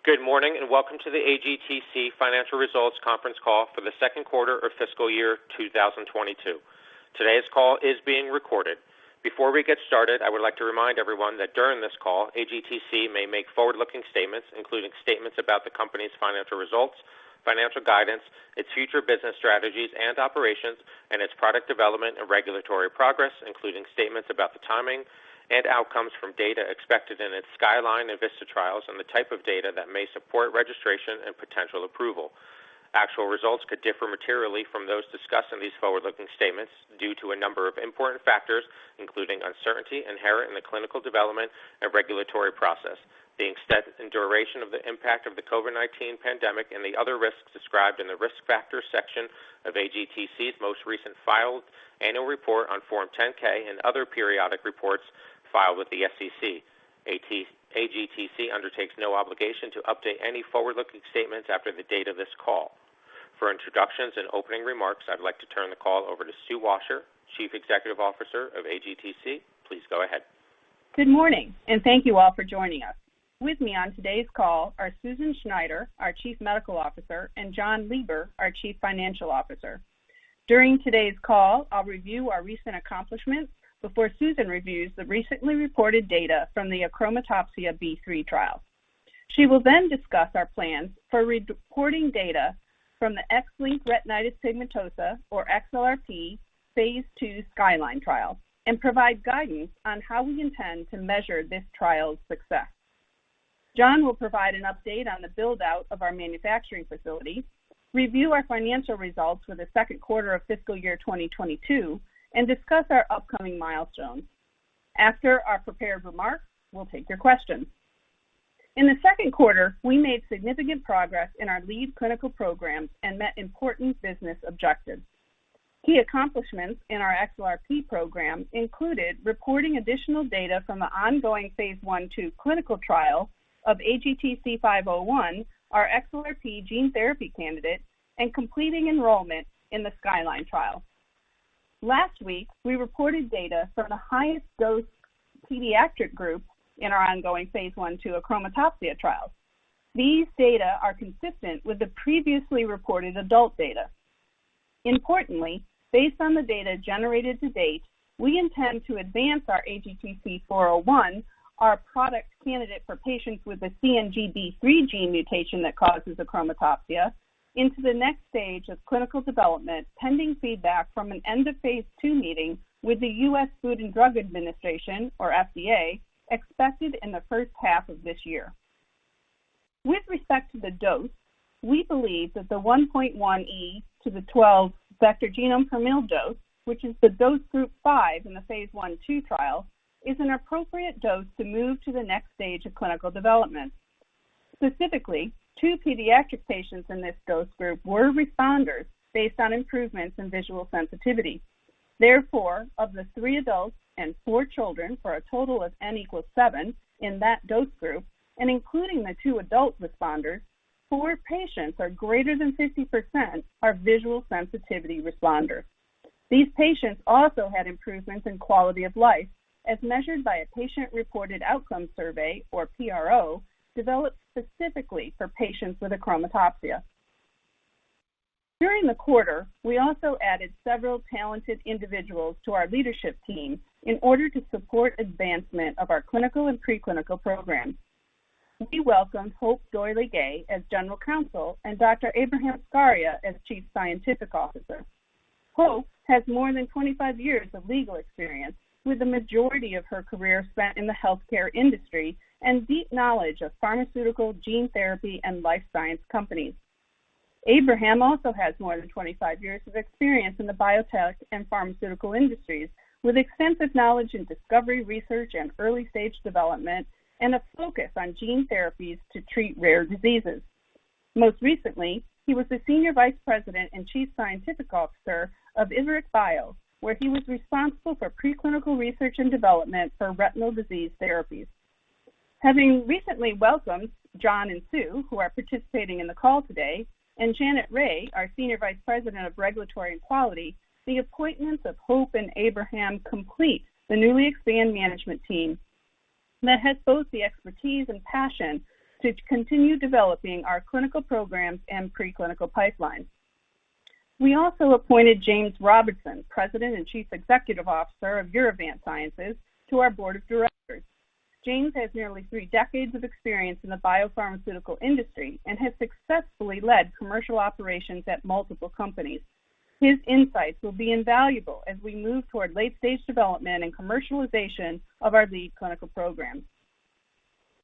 Good morning, and welcome to the AGTC Financial Results Conference Call for the second quarter of fiscal year 2022. Today's call is being recorded. Before we get started, I would like to remind everyone that during this call, AGTC may make forward-looking statements, including statements about the company's financial results, financial guidance, its future business strategies and operations, and its product development and regulatory progress, including statements about the timing and outcomes from data expected in its SKYLINE and VISTA trials and the type of data that may support registration and potential approval. Actual results could differ materially from those discussed in these forward-looking statements due to a number of important factors, including uncertainty inherent in the clinical development and regulatory process, the extent and duration of the impact of the COVID-19 pandemic and the other risks described in the Risk Factors section of AGTC's most recent filed annual report on Form 10-K and other periodic reports filed with the SEC. AGTC undertakes no obligation to update any forward-looking statements after the date of this call. For introductions and opening remarks, I'd like to turn the call over to Sue Washer, Chief Executive Officer of AGTC. Please go ahead. Good morning, and thank you all for joining us. With me on today's call are Susan Schneider, our Chief Medical Officer, and Jon Lieber, our Chief Financial Officer. During today's call, I'll review our recent accomplishments before Susan reviews the recently reported data from the achromatopsia B-three trial. She will then discuss our plans for reporting data from the x-linked retinitis pigmentosa or XLRP phase II SKYLINE trial and provide guidance on how we intend to measure this trial's success. Jon will provide an update on the build-out of our manufacturing facility, review our financial results for the second quarter of fiscal year 2022, and discuss our upcoming milestones. After our prepared remarks, we'll take your questions. In the second quarter, we made significant progress in our lead clinical programs and met important business objectives. Key accomplishments in our XLRP program included reporting additional data from the ongoing phase I/II clinical trial of AGTC-501, our XLRP gene therapy candidate, and completing enrollment in the SKYLINE trial. Last week, we reported data from the highest dose pediatric group in our ongoing phase I/II achromatopsia trial. These data are consistent with the previously reported adult data. Importantly, based on the data generated to date, we intend to advance our AGTC-401, our product candidate for patients with a CNGB3 gene mutation that causes achromatopsia, into the next stage of clinical development, pending feedback from an end of phase II meeting with the U.S. Food and Drug Administration or FDA expected in the first half of this year. With respect to the dose, we believe that the 1.1 × 10¹² vector genome per mL dose, which is the dose Group 5 in the phase I/II trial, is an appropriate dose to move to the next stage of clinical development. Specifically, two pediatric patients in this dose group were responders based on improvements in visual sensitivity. Therefore, of the three adults and four children for a total of n=7 in that dose group and including the two adult responders, four patients, greater than 50%, are visual sensitivity responders. These patients also had improvements in quality of life as measured by a patient-reported outcome survey or PRO, developed specifically for patients with achromatopsia. During the quarter, we also added several talented individuals to our leadership team in order to support advancement of our clinical and pre-clinical programs. We welcome Hope D'Oyley-Gay as General Counsel and Dr. Abraham Scaria as Chief Scientific Officer. Hope has more than 25 years of legal experience, with the majority of her career spent in the healthcare industry and deep knowledge of pharmaceutical gene therapy and life science companies. Abraham also has more than 25 years of experience in the biotech and pharmaceutical industries, with extensive knowledge in discovery, research, and early-stage development, and a focus on gene therapies to treat rare diseases. Most recently, he was the Senior Vice President and Chief Scientific Officer of Iveric Bio, where he was responsible for preclinical research and development for retinal disease therapies. Having recently welcomed Jon and Su, who are participating in the call today, and Janet Ra, our Senior Vice President of Regulatory and Quality, the appointments of Hope and Abraham complete the newly expanded management team that has both the expertise and passion to continue developing our clinical programs and pre-clinical pipeline. We also appointed James Robinson, President and Chief Executive Officer of Urovant Sciences, to our board of directors. James has nearly three decades of experience in the biopharmaceutical industry and has successfully led commercial operations at multiple companies. His insights will be invaluable as we move toward late-stage development and commercialization of our lead clinical programs.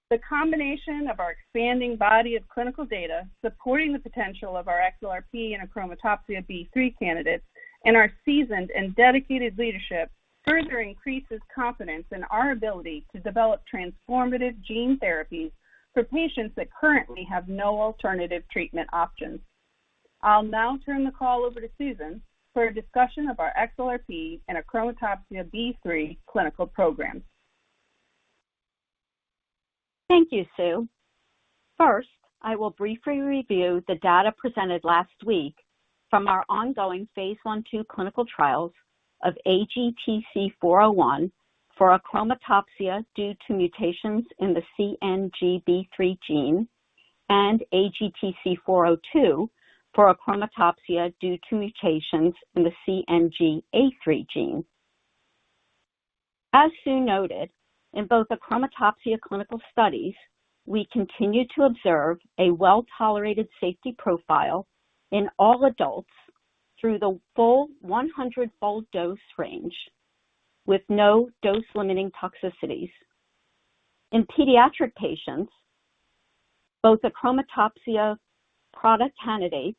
The combination of our expanding body of clinical data, supporting the potential of our XLRP and achromatopsia CNGB3 candidates and our seasoned and dedicated leadership further increases confidence in our ability to develop transformative gene therapies for patients that currently have no alternative treatment options. I'll now turn the call over to Susan for a discussion of our XLRP and achromatopsia CNGB3 clinical programs. Thank you, Sue. First, I will briefly review the data presented last week. From our ongoing phase I/II clinical trials of AGTC-401 for achromatopsia due to mutations in the CNGB3 gene and AGTC-402 for achromatopsia due to mutations in the CNGA3 gene. As Sue noted, in both achromatopsia clinical studies, we continue to observe a well-tolerated safety profile in all adults through the full 100-fold dose range with no dose-limiting toxicities. In pediatric patients, both achromatopsia product candidates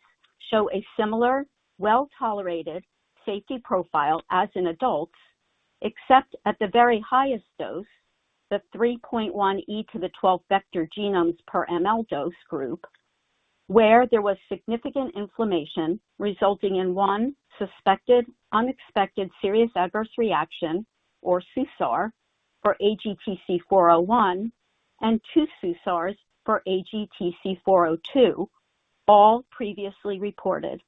show a similar, well-tolerated safety profile as in adults, except at the very highest dose, the 3.1 × 10¹² vector genomes per ml dose group, where there was significant inflammation resulting in one suspected unexpected serious adverse reaction, or SUSAR, for AGTC-401 and two SUSARs for AGTC-402, all previously reported.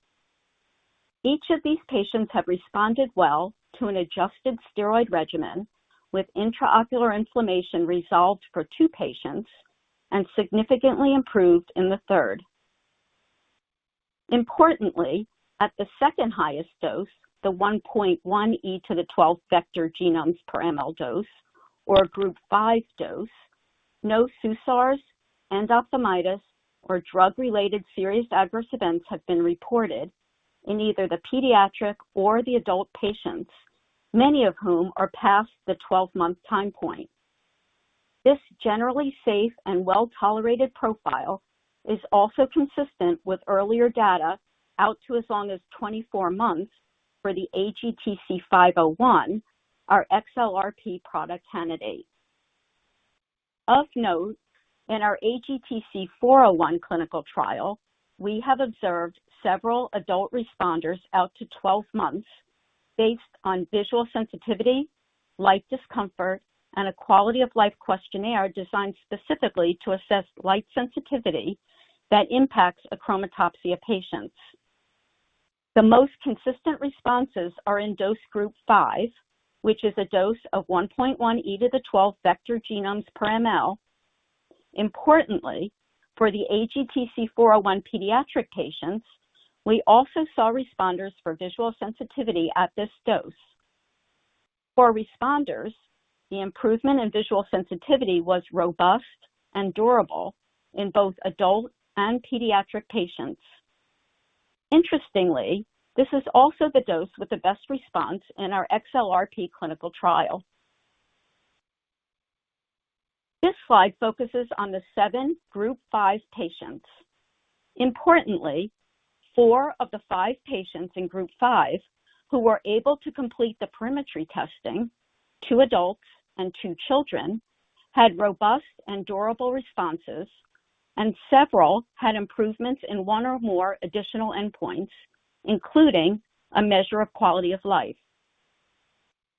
Each of these patients have responded well to an adjusted steroid regimen with intraocular inflammation resolved for two patients and significantly improved in the third. Importantly, at the second-highest dose, the 1.1 × 10¹² vector genomes per mL dose or Group 5 dose, no SUSARs, endophthalmitis, or drug-related serious adverse events have been reported in either the pediatric or the adult patients, many of whom are past the 12-month time point. This generally safe and well-tolerated profile is also consistent with earlier data out to as long as 24 months for the AGTC-501, our XLRP product candidate. Of note, in our AGTC-401 clinical trial, we have observed several adult responders out to 12 months based on visual sensitivity, light discomfort, and a quality-of-life questionnaire designed specifically to assess light sensitivity that impacts achromatopsia patients. The most consistent responses are in dose Group 5, which is a dose of 1.1 × 10¹² vector genomes per mL. Importantly, for the AGTC-401 pediatric patients, we also saw responders for visual sensitivity at this dose. For responders, the improvement in visual sensitivity was robust and durable in both adult and pediatric patients. Interestingly, this is also the dose with the best response in our XLRP clinical trial. This slide focuses on the seven Group 5 patients. Importantly, four of the five patients in Group 5 who were able to complete the perimetry testing, two adults and two children, had robust and durable responses, and several had improvements in one or more additional endpoints, including a measure of quality of life.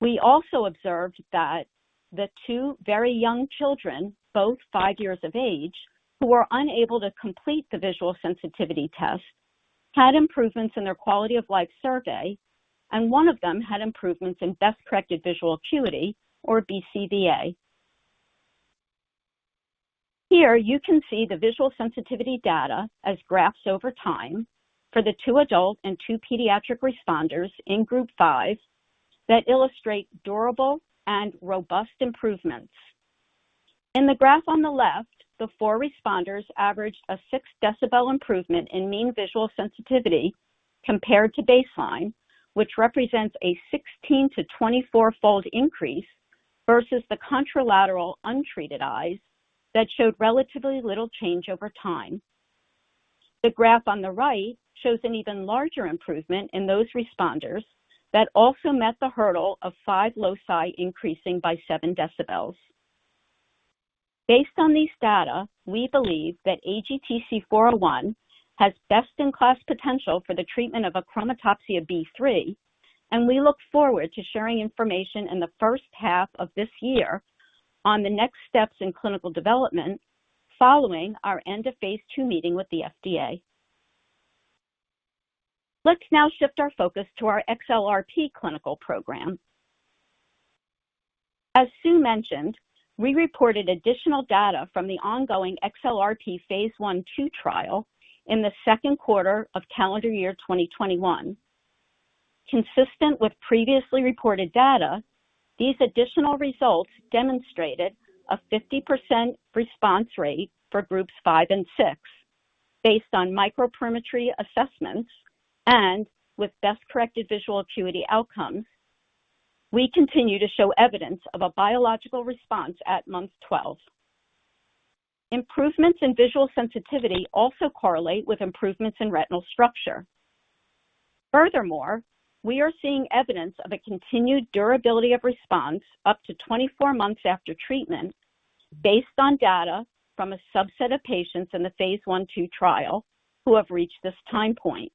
We also observed that the two very young children, both five years of age, who were unable to complete the visual sensitivity test, had improvements in their quality-of-life survey, and one of them had improvements in best-corrected visual acuity or BCVA. Here, you can see the visual sensitivity data as graphs over time for the two adult and two pediatric responders in Group 5 that illustrate durable and robust improvements. In the graph on the left, the four responders averaged a 6-decibel improvement in mean visual sensitivity compared to baseline, which represents a 16 to 24-fold increase versus the contralateral untreated eyes that showed relatively little change over time. The graph on the right shows an even larger improvement in those responders that also met the hurdle of 5 loci increasing by 7 decibels. Based on these data, we believe that AGTC-401 has best-in-class potential for the treatment of achromatopsia CNGB3, and we look forward to sharing information in the first half of this year on the next steps in clinical development following our end-of-phase II meeting with the FDA. Let's now shift our focus to our XLRP clinical program. As Sue mentioned, we reported additional data from the ongoing XLRP phase I/II trial in the second quarter of calendar year 2021. Consistent with previously reported data, these additional results demonstrated a 50% response rate for Groups 5 and 6 based on microperimetry assessments and with best-corrected visual acuity outcomes. We continue to show evidence of a biological response at month 12. Improvements in visual sensitivity also correlate with improvements in retinal structure. Furthermore, we are seeing evidence of a continued durability of response up to 24 months after treatment based on data from a subset of patients in the phase I/II trial who have reached this time point.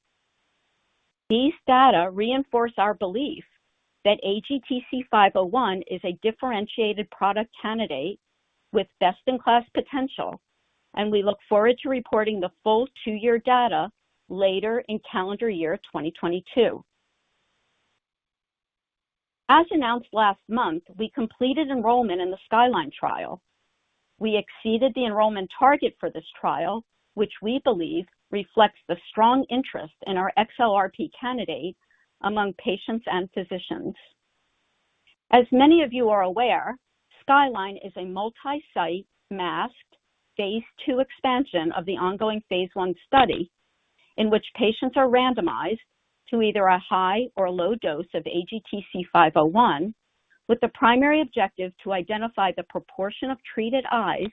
These data reinforce our belief that AGTC-501 is a differentiated product candidate with best-in-class potential, and we look forward to reporting the full 2-year data later in calendar year 2022. As announced last month, we completed enrollment in the SKYLINE trial. We exceeded the enrollment target for this trial, which we believe reflects the strong interest in our XLRP candidate among patients and physicians. As many of you are aware, SKYLINE is a multi-site, masked, phase II expansion of the ongoing phase I study in which patients are randomized to either a high or low dose of AGTC-501 with the primary objective to identify the proportion of treated eyes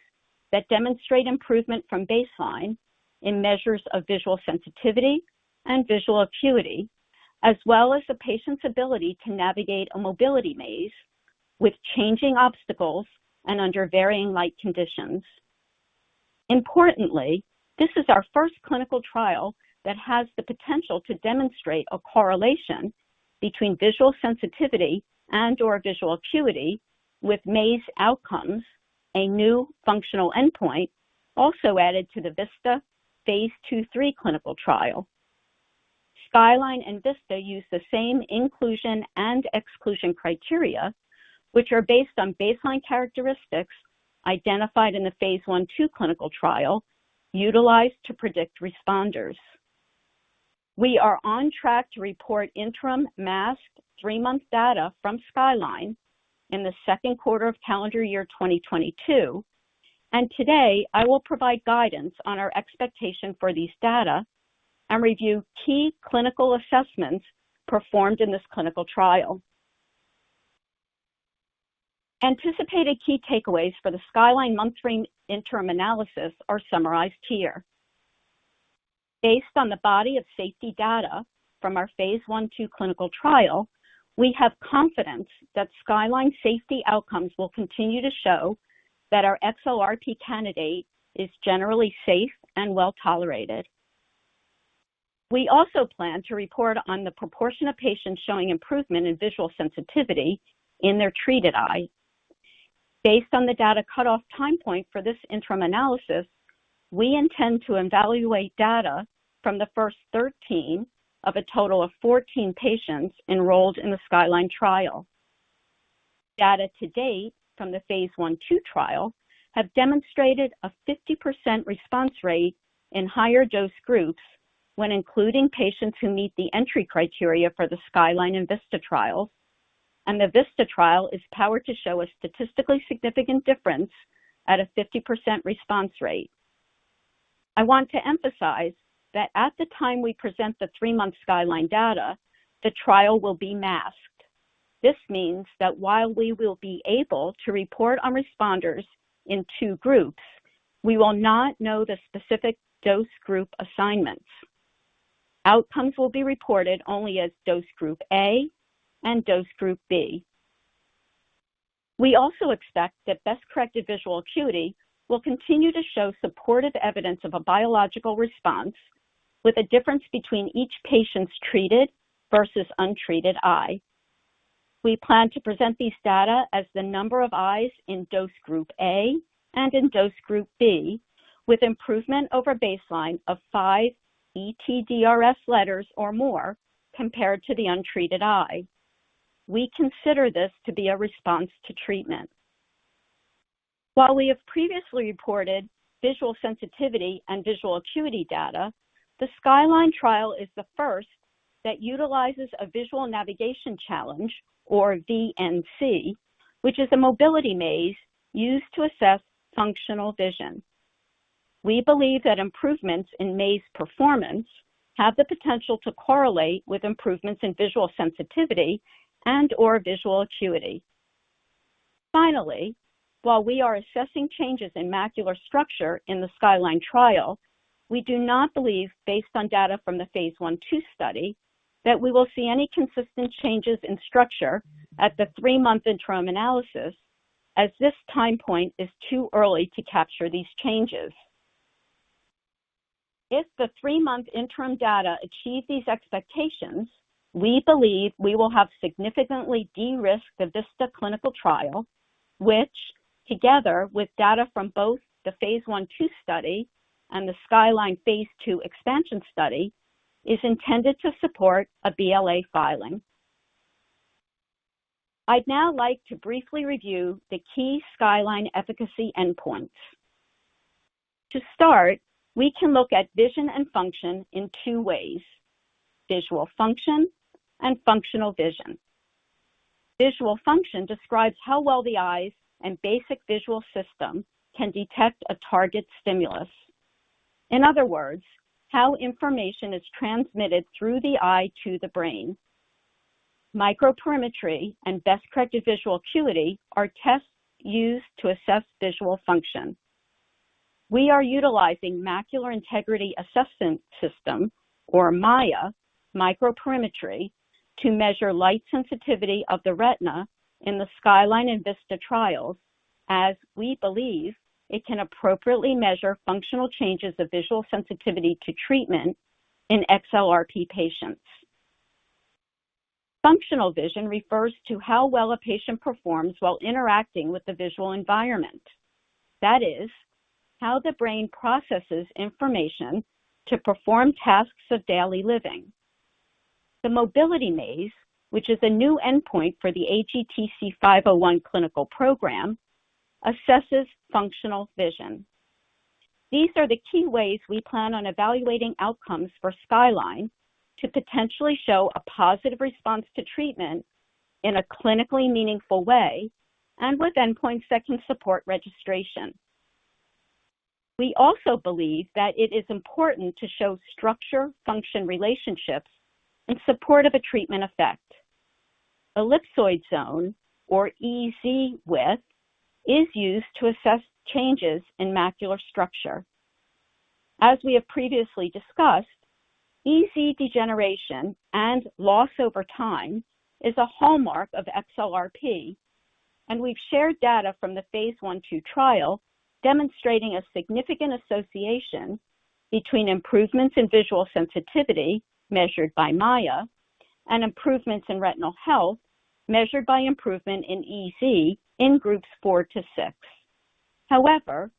that demonstrate improvement from baseline in measures of visual sensitivity and visual acuity, as well as the patient's ability to navigate a mobility maze with changing obstacles and under varying light conditions. Importantly, this is our first clinical trial that has the potential to demonstrate a correlation between visual sensitivity and/or visual acuity with maze outcomes, a new functional endpoint also added to the VISTA phase II/III clinical trial. SKYLINE and VISTA use the same inclusion and exclusion criteria, which are based on baseline characteristics identified in the phase I/II clinical trial utilized to predict responders. We are on track to report interim masked three month data from SKYLINE in the second quarter of calendar year 2022. Today, I will provide guidance on our expectation for these data and review key clinical assessments performed in this clinical trial. Anticipated key takeaways for the SKYLINE month three interim analysis are summarized here. Based on the body of safety data from our phase I/II clinical trial, we have confidence that SKYLINE safety outcomes will continue to show that our XLRP candidate is generally safe and well-tolerated. We also plan to report on the proportion of patients showing improvement in visual sensitivity in their treated eye. Based on the data cutoff time point for this interim analysis, we intend to evaluate data from the first 13 of a total of 14 patients enrolled in the SKYLINE trial. Data to date from the phase I/II trial have demonstrated a 50% response rate in higher dose groups when including patients who meet the entry criteria for the SKYLINE and VISTA trial, and the VISTA trial is powered to show a statistically significant difference at a 50% response rate. I want to emphasize that at the time we present the three month SKYLINE data, the trial will be masked. This means that while we will be able to report on responders in two groups, we will not know the specific dose group assignments. Outcomes will be reported only as dose Group A and dose Group B. We also expect that best-corrected visual acuity will continue to show supportive evidence of a biological response with a difference between each patient's treated versus untreated eye. We plan to present these data as the number of eyes in dose Group A and in dose Group B with improvement over baseline of five ETDRS letters or more compared to the untreated eye. We consider this to be a response to treatment. While we have previously reported visual sensitivity and visual acuity data, the SKYLINE trial is the first that utilizes a visual navigation challenge or VNC, which is a mobility maze used to assess functional vision. We believe that improvements in maze performance have the potential to correlate with improvements in visual sensitivity and/or visual acuity. Finally, while we are assessing changes in macular structure in the SKYLINE trial, we do not believe based on data from the phase I/II study that we will see any consistent changes in structure at the three month interim analysis as this time point is too early to capture these changes. If the three month interim data achieve these expectations, we believe we will have significantly de-risked the VISTA clinical trial, which together with data from both the phase I/II study and the SKYLINE phase II expansion study, is intended to support a BLA filing. I'd now like to briefly review the key SKYLINE efficacy endpoints. To start, we can look at vision and function in two ways. Visual function and functional vision. Visual function describes how well the eyes and basic visual system can detect a target stimulus. In other words, how information is transmitted through the eye to the brain. Microperimetry and best-corrected visual acuity are tests used to assess visual function. We are utilizing macular integrity assessment system or MAIA microperimetry to measure light sensitivity of the retina in the SKYLINE and VISTA trials. We believe it can appropriately measure functional changes of visual sensitivity to treatment in XLRP patients. Functional vision refers to how well a patient performs while interacting with the visual environment. That is, how the brain processes information to perform tasks of daily living. The mobility maze, which is a new endpoint for the AGTC-501 clinical program, assesses functional vision. These are the key ways we plan on evaluating outcomes for SKYLINE to potentially show a positive response to treatment in a clinically meaningful way and with endpoints to support registration. We also believe that it is important to show structure-function relationships in support of a treatment effect. Ellipsoid zone or EZ width is used to assess changes in macular structure. As we have previously discussed, EZ degeneration and loss over time is a hallmark of XLRP, and we've shared data from the phase I/II trial demonstrating a significant association between improvements in visual sensitivity measured by MAIA and improvements in retinal health measured by improvement in EZ in Groups 4-6. However,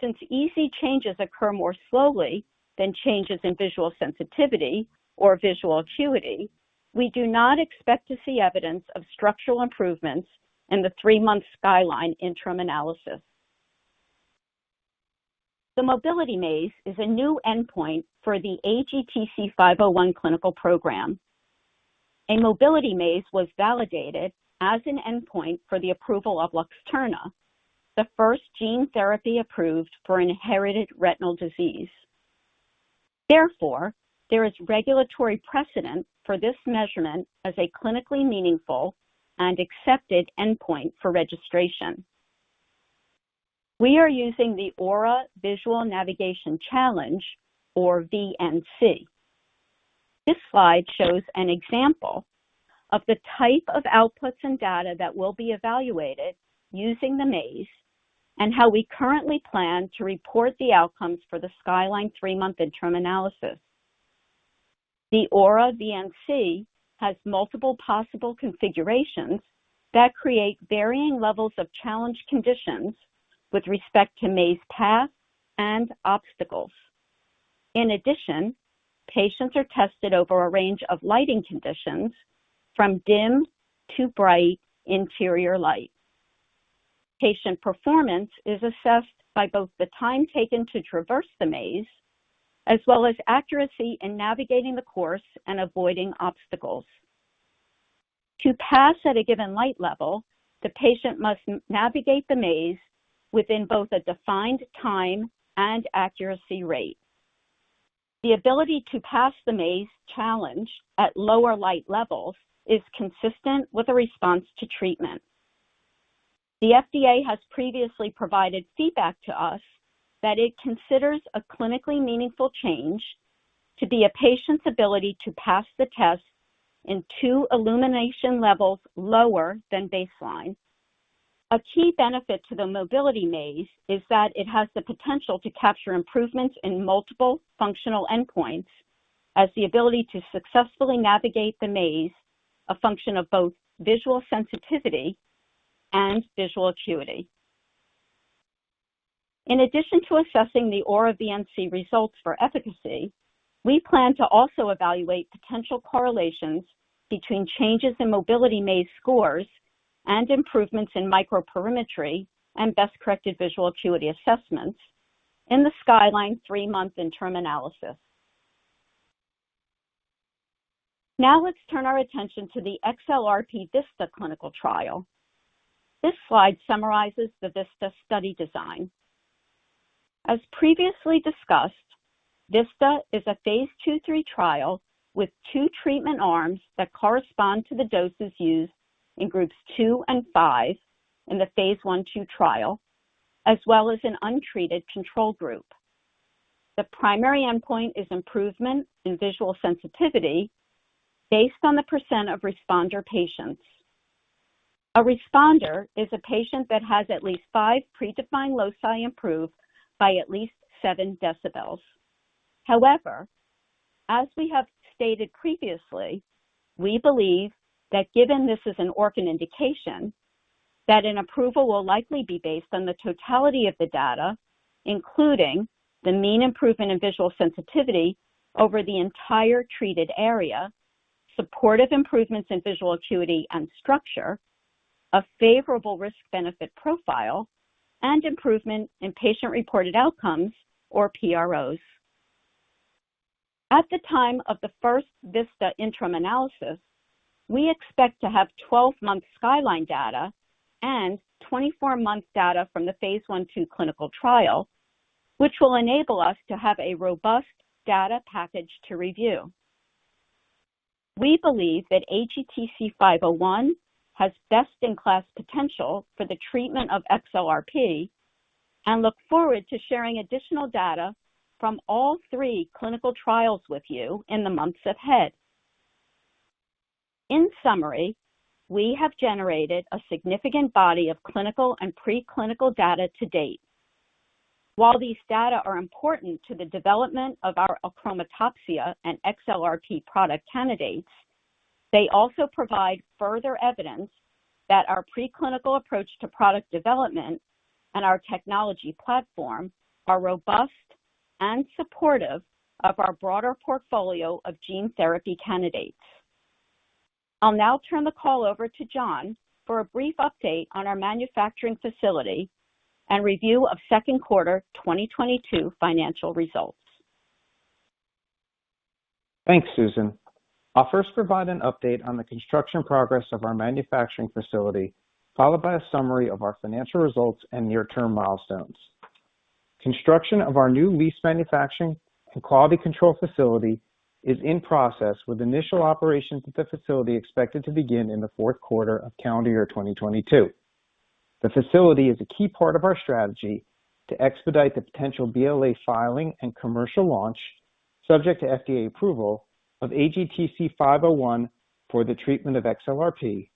since EZ changes occur more slowly than changes in visual sensitivity or visual acuity, we do not expect to see evidence of structural improvements in the three month SKYLINE interim analysis. The mobility maze is a new endpoint for the AGTC-501 clinical program. A mobility maze was validated as an endpoint for the approval of Luxturna, the first gene therapy approved for inherited retinal disease. Therefore, there is regulatory precedent for this measurement as a clinically meaningful and accepted endpoint for registration. We are using the Ora Visual Navigation Challenge or VNC. This slide shows an example of the type of outputs and data that will be evaluated using the maze and how we currently plan to report the outcomes for the SKYLINE three month interim analysis. The Ora VNC has multiple possible configurations that create varying levels of challenge conditions with respect to maze paths and obstacles. In addition, patients are tested over a range of lighting conditions from dim to bright interior light. Patient performance is assessed by both the time taken to traverse the maze as well as accuracy in navigating the course and avoiding obstacles. To pass at a given light level, the patient must navigate the maze within both a defined time and accuracy rate. The ability to pass the maze challenge at lower light levels is consistent with a response to treatment. The FDA has previously provided feedback to us that it considers a clinically meaningful change to be a patient's ability to pass the test in two illumination levels lower than baseline. A key benefit to the mobility maze is that it has the potential to capture improvements in multiple functional endpoints as the ability to successfully navigate the maze, a function of both visual sensitivity and visual acuity. In addition to assessing the Ora VNC results for efficacy, we plan to also evaluate potential correlations between changes in mobility maze scores and improvements in microperimetry and best-corrected visual acuity assessments in the SKYLINE three month interim analysis. Now let's turn our attention to the XLRP VISTA clinical trial. This slide summarizes the VISTA study design. As previously discussed, VISTA is a phase II/III trial with two treatment arms that correspond to the doses used in Groups 2 and 5 in the phase I/II trial, as well as an untreated control group. The primary endpoint is improvement in visual sensitivity based on the percent of responder patients. A responder is a patient that has at least five predefined loci improved by at least 7 decibels. However, as we have stated previously, we believe that given this is an orphan indication, that an approval will likely be based on the totality of the data, including the mean improvement in visual sensitivity over the entire treated area, supportive improvements in visual acuity and structure, a favorable risk-benefit profile, and improvement in patient-reported outcomes or PROs. At the time of the first VISTA interim analysis, we expect to have 12-month SKYLINE data and 24-month data from the phase I/II clinical trial, which will enable us to have a robust data package to review. We believe that AGTC-501 has best-in-class potential for the treatment of XLRP and look forward to sharing additional data from all three clinical trials with you in the months ahead. In summary, we have generated a significant body of clinical and preclinical data to date. While these data are important to the development of our achromatopsia and XLRP product candidates, they also provide further evidence that our preclinical approach to product development and our technology platform are robust and supportive of our broader portfolio of gene therapy candidates. I'll now turn the call over to Jon for a brief update on our manufacturing facility and review of second quarter 2022 financial results. Thanks, Susan. I'll first provide an update on the construction progress of our manufacturing facility, followed by a summary of our financial results and near-term milestones. Construction of our new leased manufacturing and quality control facility is in process, with initial operations at the facility expected to begin in the fourth quarter of calendar year 2022. The facility is a key part of our strategy to expedite the potential BLA filing and commercial launch, subject to FDA approval, of AGTC-501 for the treatment of XLRP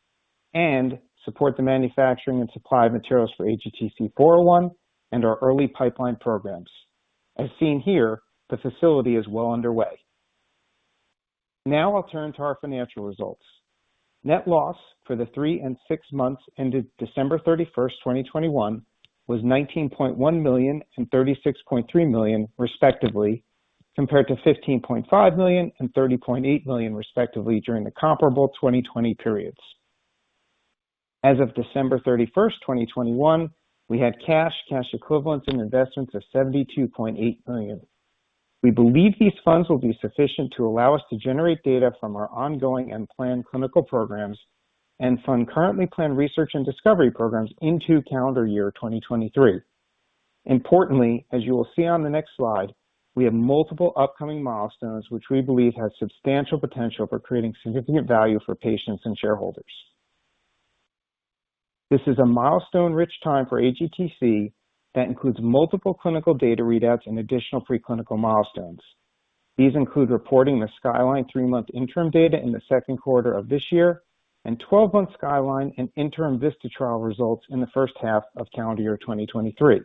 and support the manufacturing and supply of materials for AGTC-401 and our early pipeline programs. As seen here, the facility is well underway. Now I'll turn to our financial results. Net loss for the three and six months ended December 31st, 2021 was $19.1 million and $36.3 million, respectively, compared to $15.5 million and $30.8 million, respectively, during the comparable 2020 periods. As of December 31st, 2021, we had cash equivalents, and investments of $72.8 million. We believe these funds will be sufficient to allow us to generate data from our ongoing and planned clinical programs and fund currently planned research and discovery programs into calendar year 2023. Importantly, as you will see on the next slide, we have multiple upcoming milestones which we believe have substantial potential for creating significant value for patients and shareholders. This is a milestone-rich time for AGTC that includes multiple clinical data readouts and additional preclinical milestones. These include reporting the SKYLINE three month interim data in the second quarter of this year and 12-month SKYLINE and interim VISTA trial results in the first half of calendar year 2023.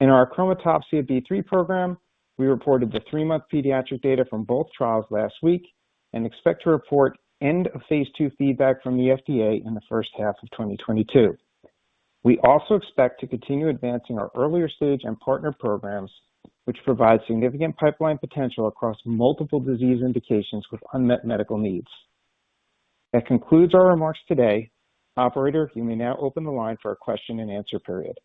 In our achromatopsia phase III program, we reported the three month pediatric data from both trials last week and expect to report end-of-phase II feedback from the FDA in the first half of 2022. We also expect to continue advancing our earlier stage and partner programs, which provide significant pipeline potential across multiple disease indications with unmet medical needs. That concludes our remarks today. Operator, you may now open the line for our question-and-answer period.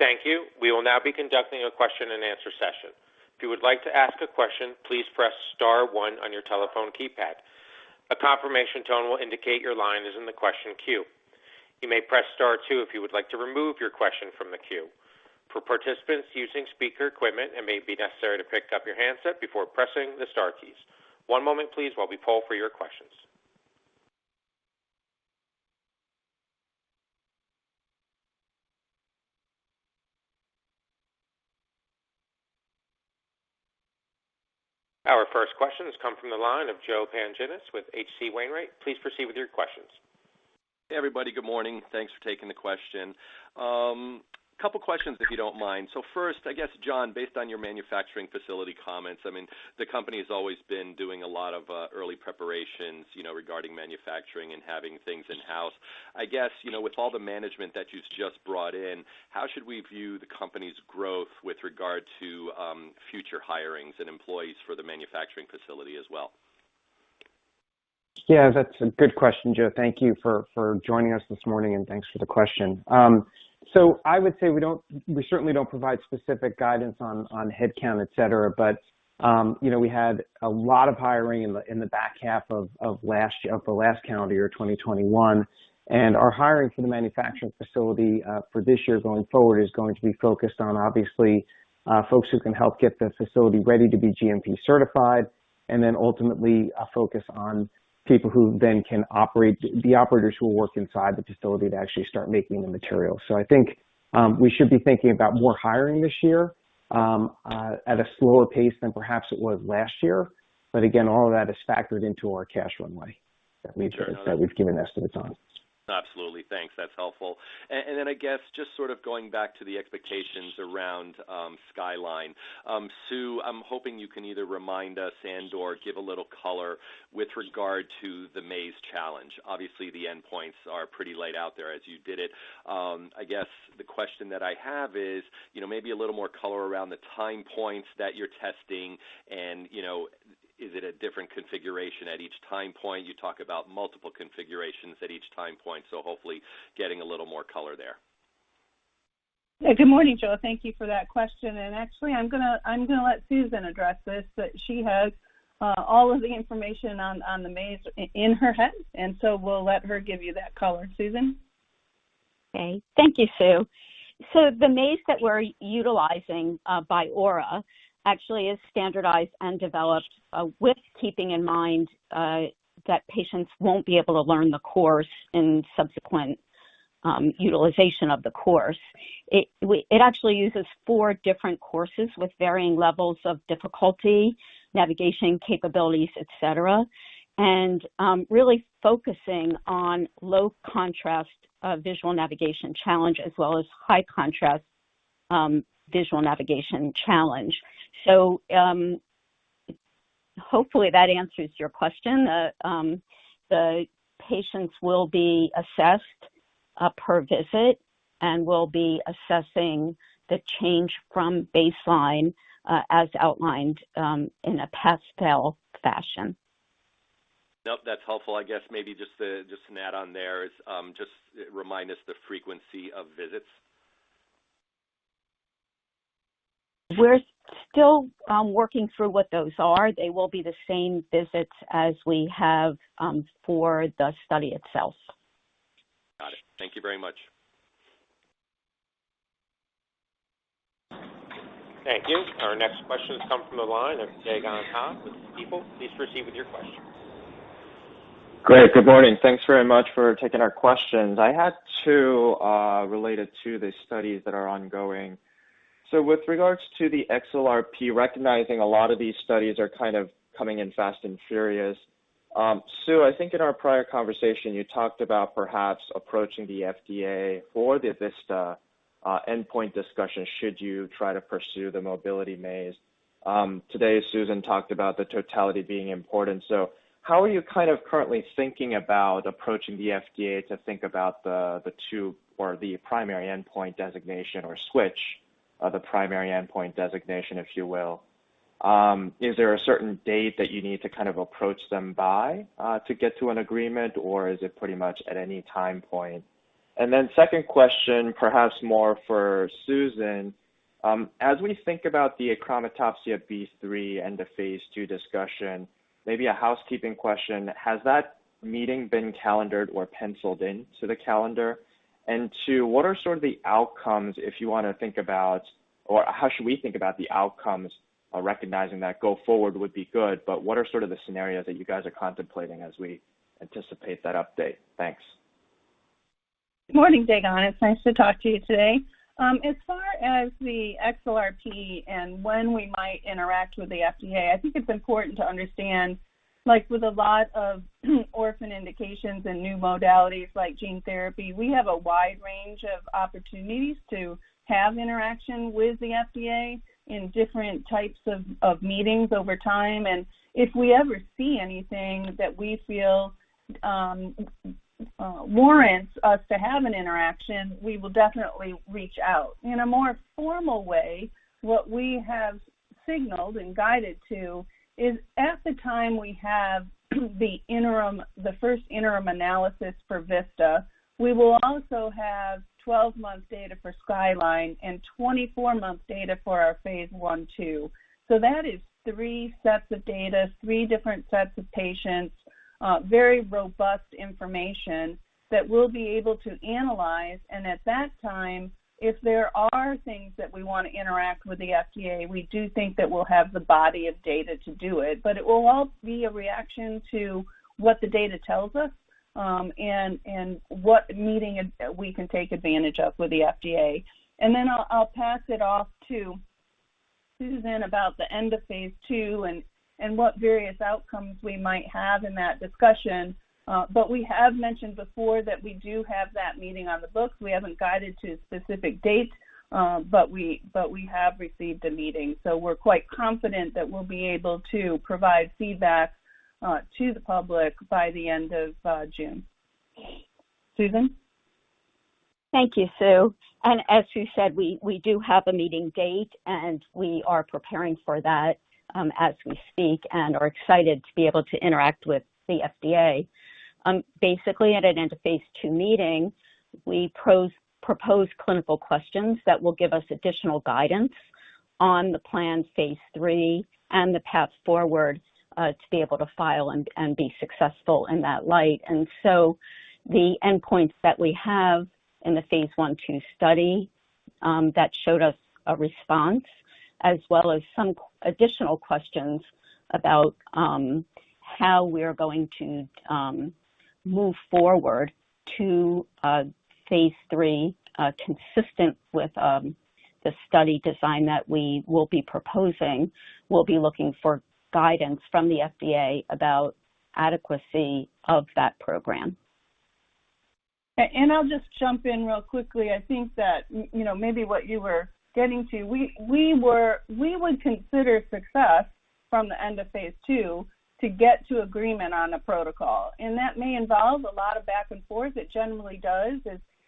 Thank you. We will now be conducting a question-and-answer session. If you would like to ask a question, please press star one on your telephone keypad. A confirmation tone will indicate your line is in the question queue. You may press star two if you would like to remove your question from the queue. For participants using speaker equipment, it may be necessary to pick up your handset before pressing the star keys. One moment please while we poll for your questions. Our first question has come from the line of Joe Pantginis with H.C. Wainwright. Please proceed with your questions. Hey, everybody. Good morning. Thanks for taking the question. Couple questions, if you don't mind. First, I guess, Jon, based on your manufacturing facility comments, I mean, the company has always been doing a lot of early preparations, you know, regarding manufacturing and having things in-house. I guess, you know, with all the management that you've just brought in, how should we view the company's growth with regard to future hirings and employees for the manufacturing facility as well? Yeah, that's a good question, Joe. Thank you for joining us this morning, and thanks for the question. I would say we certainly don't provide specific guidance on headcount, et cetera. You know, we had a lot of hiring in the back half of last year, of the last calendar year, 2021. Our hiring for the manufacturing facility for this year going forward is going to be focused on, obviously, folks who can help get the facility ready to be GMP certified, and then ultimately a focus on people who then can operate, the operators who will work inside the facility to actually start making the materials. I think we should be thinking about more hiring this year at a slower pace than perhaps it was last year. Again, all of that is factored into our cash run rate that we've given estimates on. Absolutely. Thanks. That's helpful. I guess just sort of going back to the expectations around SKYLINE. Sue, I'm hoping you can either remind us and/or give a little color with regard to the MAIA challenge. Obviously, the endpoints are pretty laid out there as you did it. I guess the question that I have is, you know, maybe a little more color around the time points that you're testing and, you know, is it a different configuration at each time point? You talk about multiple configurations at each time point, so hopefully getting a little more color there. Yeah. Good morning, Joe. Thank you for that question. Actually, I'm gonna let Susan address this. She has all of the information on the MAIA in her head, and so we'll let her give you that color. Susan? Okay. Thank you, Sue. The maze that we're utilizing by Ora actually is standardized and developed with keeping in mind that patients won't be able to learn the course in subsequent Utilization of the course. It actually uses four different courses with varying levels of difficulty, navigation capabilities, et cetera, really focusing on low contrast visual navigation challenge as well as high contrast visual navigation challenge. Hopefully that answers your question. The patients will be assessed per visit and we'll be assessing the change from baseline as outlined in a standard fashion. Nope, that's helpful. I guess maybe just to add on, just remind us the frequency of visits. We're still working through what those are. They will be the same visits as we have for the study itself. Got it. Thank you very much. Thank you. Our next question has come from the line of Dae Gon Ha with Stifel. Please proceed with your question. Great. Good morning. Thanks very much for taking our questions. I had two related to the studies that are ongoing. With regards to the XLRP, recognizing a lot of these studies are kind of coming in fast and furious. Sue, I think in our prior conversation you talked about perhaps approaching the FDA for the VISTA endpoint discussion should you try to pursue the mobility maze. Today, Susan talked about the totality being important. How are you kind of currently thinking about approaching the FDA to think about the two or the primary endpoint designation or switch the primary endpoint designation, if you will? Is there a certain date that you need to kind of approach them by to get to an agreement, or is it pretty much at any time point? Second question, perhaps more for Susan. As we think about the achromatopsia phase III and the phase II discussion, maybe a housekeeping question, has that meeting been calendared or penciled into the calendar? Two, what are sort of the outcomes if you wanna think about, or how should we think about the outcomes, recognizing that go forward would be good, but what are sort of the scenarios that you guys are contemplating as we anticipate that update? Thanks. Good morning, Daigon. It's nice to talk to you today. As far as the XLRP and when we might interact with the FDA, I think it's important to understand, like with a lot of orphan indications and new modalities like gene therapy, we have a wide range of opportunities to have interaction with the FDA in different types of meetings over time. If we ever see anything that we feel warrants us to have an interaction, we will definitely reach out. In a more formal way, what we have signaled and guided to is at the time we have the first interim analysis for VISTA, we will also have 12 months data for SKYLINE and 24 months data for our phase I/II. That is three sets of data, three different sets of patients, very robust information that we'll be able to analyze. At that time, if there are things that we wanna interact with the FDA, we do think that we'll have the body of data to do it. It will all be a reaction to what the data tells us, and what meeting we can take advantage of with the FDA. I'll pass it off to Susan about the end of phase II and what various outcomes we might have in that discussion. We have mentioned before that we do have that meeting on the books. We haven't guided to specific dates, but we have received a meeting. We're quite confident that we'll be able to provide feedback to the public by the end of June. Susan? Thank you, Sue. As you said, we do have a meeting date, and we are preparing for that as we speak and are excited to be able to interact with the FDA. Basically at an end-of-phase II meeting, we propose clinical questions that will give us additional guidance on the planned phase III and the path forward to be able to file and be successful in that light. The endpoints that we have in the phase I/II study that showed us a response as well as some additional questions about how we're going to move forward to a phase III consistent with the study design that we will be proposing. We'll be looking for guidance from the FDA about adequacy of that program. I'll just jump in real quickly. I think that, you know, maybe what you were getting to. We would consider success from the end of phase II to get to agreement on a protocol, and that may involve a lot of back and forth. It generally does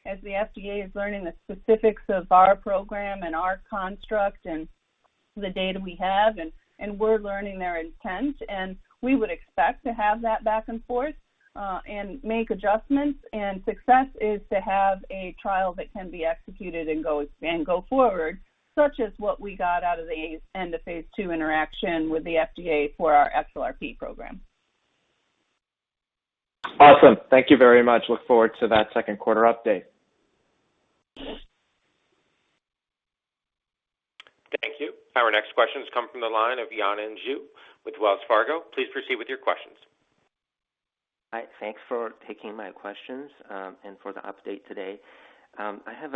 as the FDA is learning the specifics of our program and our construct and the data we have, and we're learning their intent, and we would expect to have that back and forth and make adjustments. Success is to have a trial that can be executed and go forward, such as what we got out of the end of phase II interaction with the FDA for our XLRP program. Awesome. Thank you very much. Look forward to that second quarter update. Thank you. Our next question has come from the line of Yanan Zhu with Wells Fargo. Please proceed with your questions. Hi. Thanks for taking my questions and for the update today. I have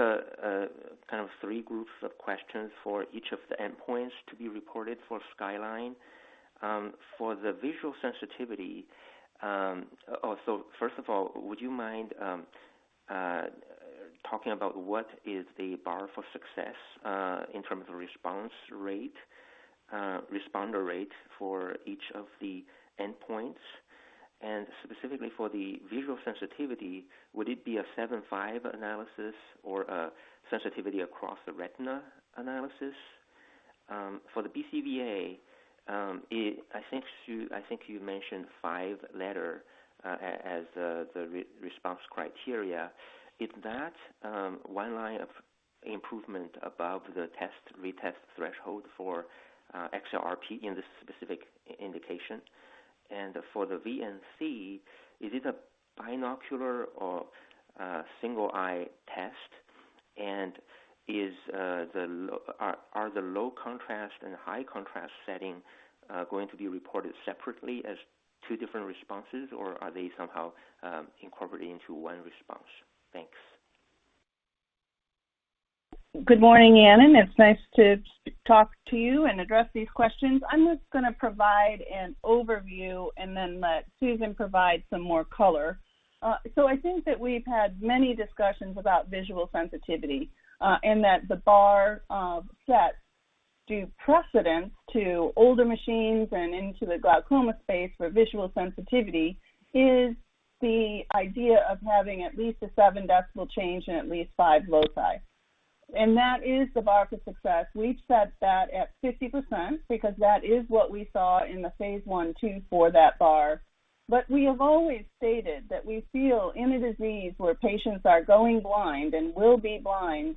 kind of three groups of questions for each of the endpoints to be reported for SKYLINE. For the visual sensitivity, first of all, would you mind talking about what is the bar for success in terms of responder rate for each of the endpoints? Specifically for the visual sensitivity, would it be a 75 analysis or a sensitivity across the retina analysis? For the BCVA, I think you mentioned five letter as the response criteria. Is that one line of improvement above the test-retest threshold for XLRP in this specific indication? For the VNC, is it a binocular or single eye test? And is the lo... Are the low contrast and high contrast setting going to be reported separately as two different responses or are they somehow incorporated into one response? Thanks. Good morning, Yanan. It's nice to talk to you and address these questions. I'm just gonna provide an overview and then let Susan provide some more color. I think that we've had many discussions about visual sensitivity, and that the bar that's set due to precedent to older machines and into the glaucoma space for visual sensitivity is the idea of having at least a 7-decibel change in at least 5 loci. That is the bar for success. We've set that at 50% because that is what we saw in the phase I/II for that bar. We have always stated that we feel in a disease where patients are going blind and will be blind,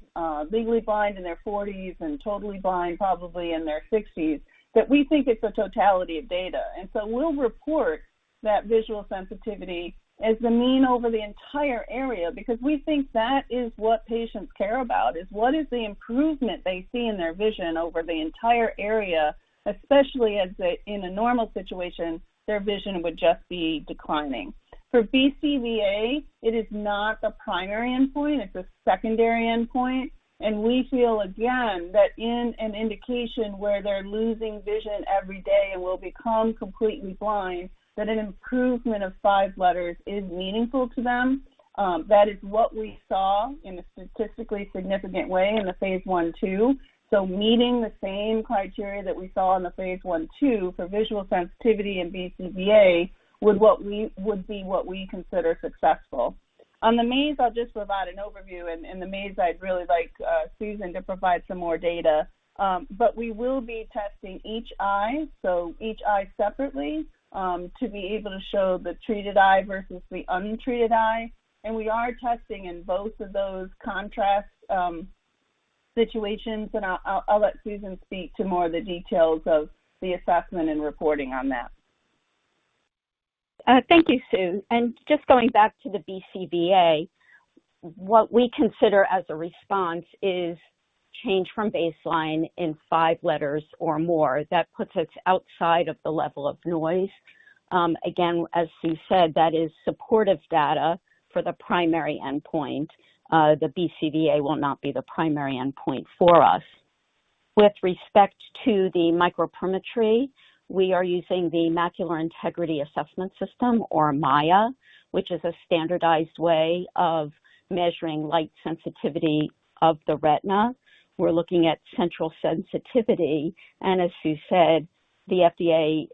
legally blind in their forties and totally blind probably in their sixties, that we think it's a totality of data. We'll report that visual sensitivity as the mean over the entire area because we think that is what patients care about, the improvement they see in their vision over the entire area, especially as in a normal situation their vision would just be declining. For BCVA, it is not the primary endpoint, it's a secondary endpoint. We feel again that in an indication where they're losing vision every day and will become completely blind, that an improvement of five letters is meaningful to them. That is what we saw in a statistically significant way in phase I/II. Meeting the same criteria that we saw in phase I/II for visual sensitivity in BCVA would be what we consider successful. On the MAIA, I'll just provide an overview. In the MAIA, I'd really like Susan to provide some more data. But we will be testing each eye, so each eye separately, to be able to show the treated eye versus the untreated eye. We are testing in both of those contrast situations. I'll let Susan speak to more of the details of the assessment and reporting on that. Thank you, Sue. Just going back to the BCVA. What we consider as a response is change from baseline in five letters or more. That puts us outside of the level of noise. Again, as Sue said, that is supportive data for the primary endpoint. The BCVA will not be the primary endpoint for us. With respect to the microperimetry, we are using the Macular Integrity Assessment System or MAIA, which is a standardized way of measuring light sensitivity of the retina. We're looking at central sensitivity, and as Sue said, the FDA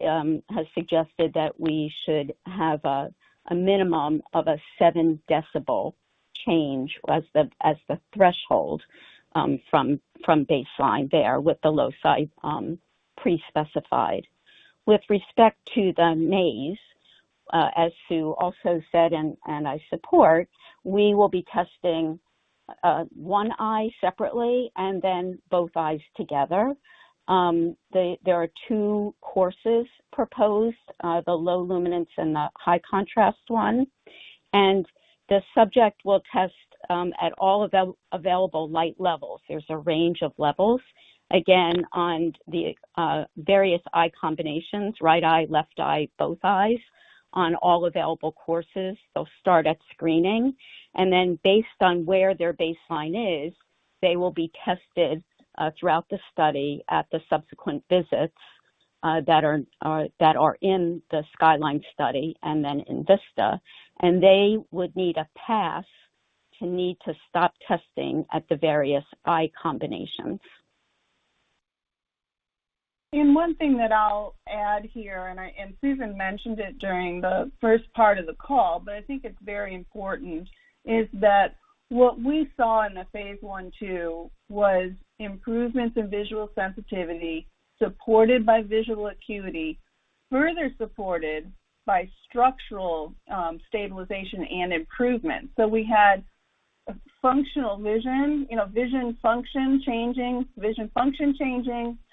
has suggested that we should have a minimum of a seven decibel change as the threshold from baseline there with the low side pre-specified. With respect to the maze, as Sue also said and I support, we will be testing one eye separately and then both eyes together. There are two courses proposed, the low luminance and the high contrast one. The subject will test at all available light levels. There's a range of levels. Again, on the various eye combinations, right eye, left eye, both eyes on all available courses. They'll start at screening, and then based on where their baseline is, they will be tested throughout the study at the subsequent visits that are in the SKYLINE study and then in VISTA. They would need a pass to need to stop testing at the various eye combinations. One thing that I'll add here, and Susan mentioned it during the first part of the call, but I think it's very important, is that what we saw in the phase I/II was improvements in visual sensitivity, supported by visual acuity, further supported by structural stabilization and improvement. We had functional vision, you know, vision function changing,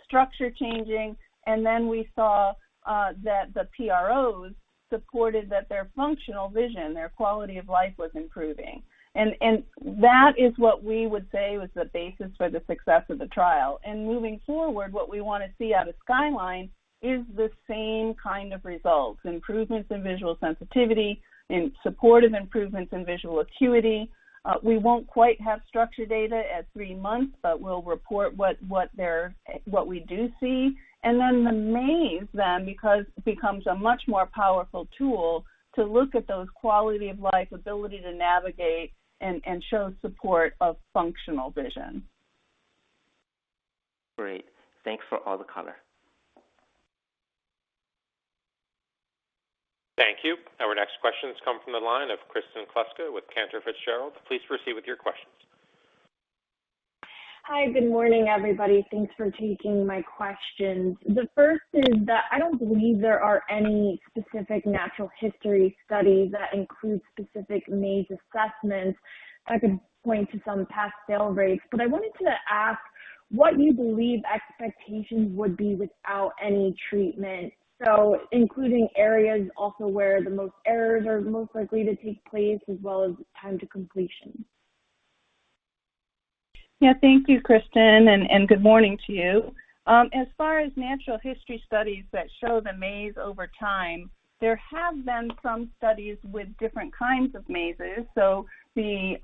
structure changing, and then we saw that the PROs supported that their functional vision, their quality of life was improving. That is what we would say was the basis for the success of the trial. Moving forward, what we want to see out of SKYLINE is the same kind of results, improvements in visual sensitivity and supportive improvements in visual acuity. We won't quite have structural data at three months, but we'll report what we do see. The maze because it becomes a much more powerful tool to look at those quality of life, ability to navigate and show support of functional vision. Great. Thanks for all the color. Thank you. Our next questions come from the line of Kristen Kluska with Cantor Fitzgerald. Please proceed with your questions. Hi. Good morning, everybody. Thanks for taking my questions. The first is that I don't believe there are any specific natural history studies that include specific MAIA assessments that could point to some past fail rates. I wanted to ask what you believe expectations would be without any treatment, so including areas also where the most errors are most likely to take place, as well as time to completion. Yeah. Thank you, Kristen, and good morning to you. As far as natural history studies that show the MAIA over time, there have been some studies with different kinds of MAIAs. The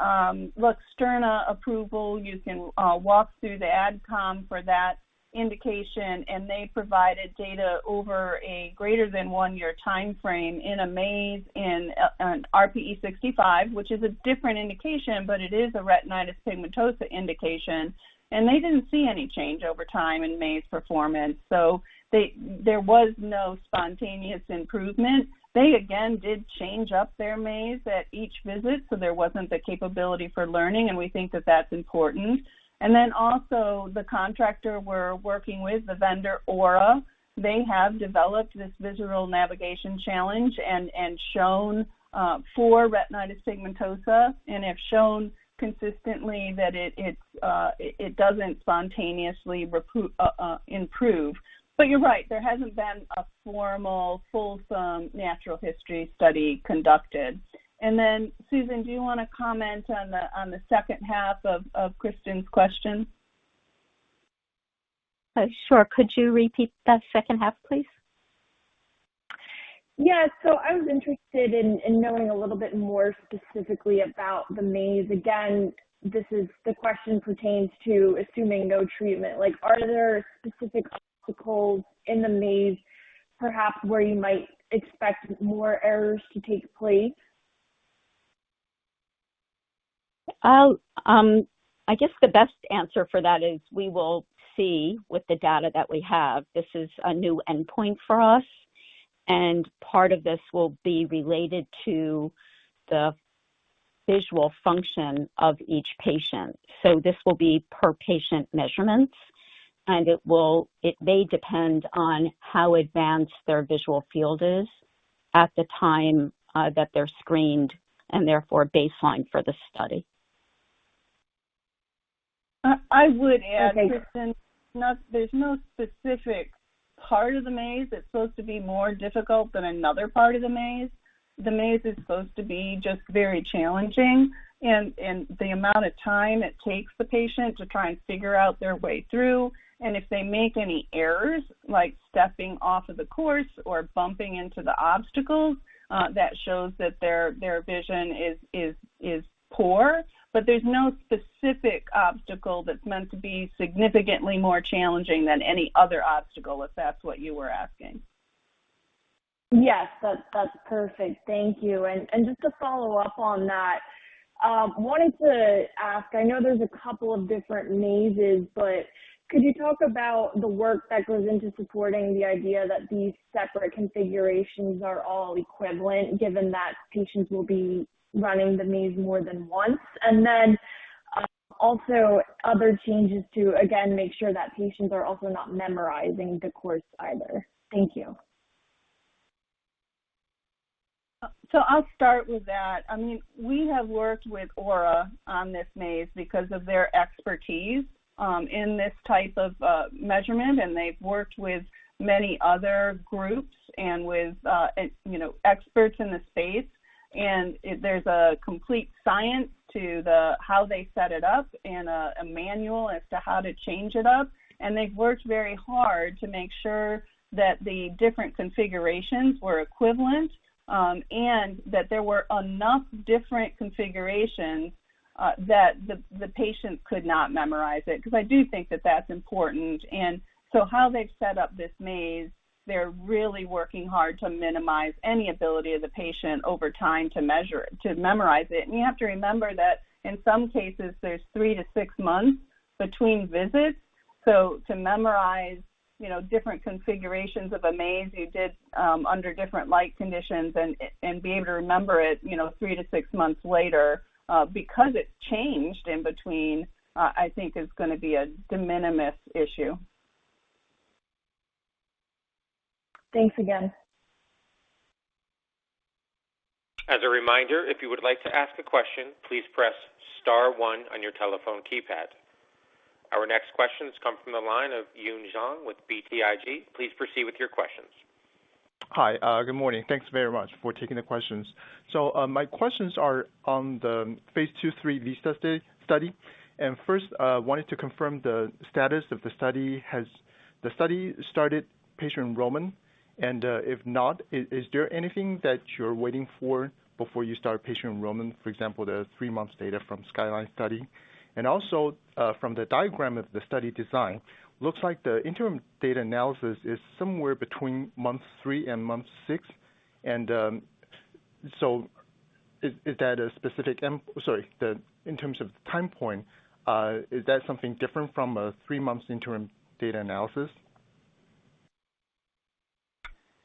Luxturna approval, you can walk through the ad com for that indication, and they provided data over a greater than one year timeframe in a MAIA in an RPE65, which is a different indication, but it is a retinitis pigmentosa indication. They didn't see any change over time in MAIA performance, so there was no spontaneous improvement. They again did change up their MAIA at each visit, so there wasn't the capability for learning, and we think that that's important. Also the contractor we're working with, the vendor Ora, they have developed this visual navigation challenge and shown for retinitis pigmentosa consistently that it doesn't spontaneously improve. You're right, there hasn't been a formal fulsome natural history study conducted. Susan, do you want to comment on the second half of Kristen's question? Sure. Could you repeat that second half, please? Yeah. I was interested in knowing a little bit more specifically about the maze. Again, this question pertains to assuming no treatment. Like, are there specific obstacles in the maze, perhaps where you might expect more errors to take place? I guess the best answer for that is we will see with the data that we have. This is a new endpoint for us, and part of this will be related to the visual function of each patient. This will be per patient measurements, and it may depend on how advanced their visual field is at the time that they're screened, and therefore baseline for the study. I would add, Kristen- Okay. There's no specific part of the maze that's supposed to be more difficult than another part of the maze. The maze is supposed to be just very challenging and the amount of time it takes the patient to try and figure out their way through, and if they make any errors, like stepping off of the course or bumping into the obstacles, that shows that their vision is poor. But there's no specific obstacle that's meant to be significantly more challenging than any other obstacle, if that's what you were asking. Yes. That's perfect. Thank you. Just to follow up on that, wanted to ask, I know there's a couple of different mazes, but could you talk about the work that goes into supporting the idea that these separate configurations are all equivalent, given that patients will be running the maze more than once? Then, also other changes to, again, make sure that patients are also not memorizing the course either. Thank you. I'll start with that. I mean, we have worked with Ora on this MAIA because of their expertise in this type of measurement, and they've worked with many other groups and with you know, experts in the space. There's a complete science to the how they set it up and a manual as to how to change it up. They've worked very hard to make sure that the different configurations were equivalent, and that there were enough different configurations that the patient could not memorize it because I do think that that's important. How they've set up this MAIA, they're really working hard to minimize any ability of the patient over time to memorize it. You have to remember that in some cases there's three to six months between visits. To memorize, you know, different configurations of a maze you did under different light conditions and being able to remember it, you know, three to six months later because it's changed in between, I think is gonna be a de minimis issue. Thanks again. As a reminder, if you would like to ask a question, please press star one on your telephone keypad. Our next question has come from the line of Yun Zhong with BTIG. Please proceed with your questions. Hi. Good morning. Thanks very much for taking the questions. My questions are on the phase II/III VISTA study. First, I wanted to confirm the status of the study. Has the study started patient enrollment? If not, is there anything that you're waiting for before you start patient enrollment, for example, the three months data from the SKYLINE study? Also, from the diagram of the study design, it looks like the interim data analysis is somewhere between month three and month six. Is that a specific endpoint? In terms of the time point, is that something different from a three months interim data analysis?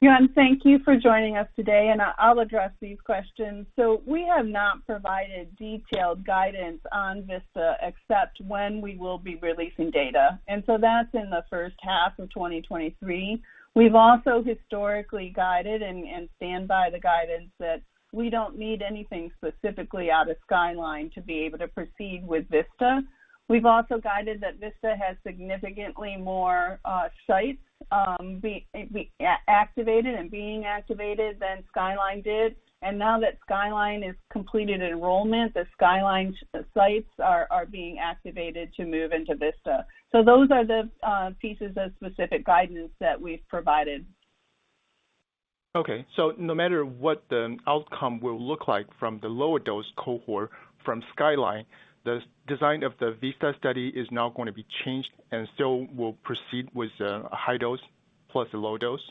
Yun, thank you for joining us today, and I'll address these questions. We have not provided detailed guidance on VISTA except when we will be releasing data. That's in the first half of 2023. We've also historically guided and stand by the guidance that we don't need anything specifically out of SKYLINE to be able to proceed with VISTA. We've also guided that VISTA has significantly more sites activated and being activated than SKYLINE did. Now that SKYLINE is completed enrollment, the SKYLINE sites are being activated to move into VISTA. Those are the pieces of specific guidance that we've provided. Okay. No matter what the outcome will look like from the lower dose cohort from SKYLINE, the design of the VISTA study is not gonna be changed and still will proceed with the high dose plus the low dose?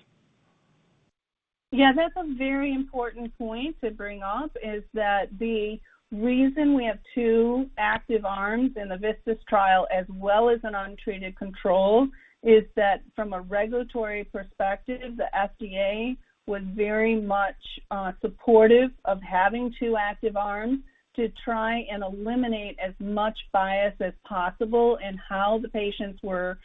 Yeah, that's a very important point to bring up, is that the reason we have two active arms in the VISTA trial as well as an untreated control, is that from a regulatory perspective, the FDA was very much supportive of having two active arms to try and eliminate as much bias as possible in how the patients were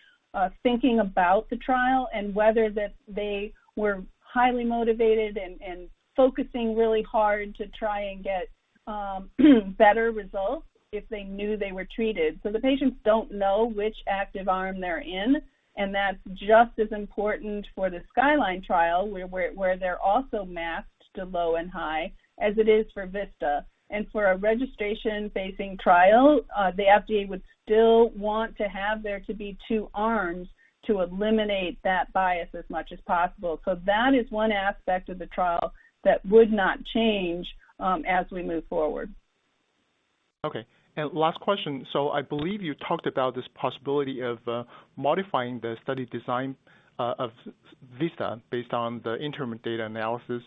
thinking about the trial and whether they were highly motivated and focusing really hard to try and get better results if they knew they were treated. So the patients don't know which active arm they're in, and that's just as important for the SKYLINE trial, where they're also masked to low and high as it is for VISTA. For a registration-facing trial, the FDA would still want to have there to be two arms to eliminate that bias as much as possible. That is one aspect of the trial that would not change, as we move forward. Okay. Last question. I believe you talked about this possibility of modifying the study design of VISTA based on the interim data analysis.